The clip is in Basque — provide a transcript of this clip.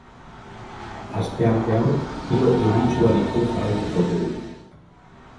Asteartean giro euritsuarekin jarraituko dugu.